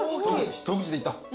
一口でいった。